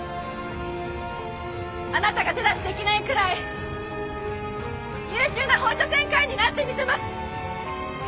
あなたが手出しできないくらい優秀な放射線科医になってみせます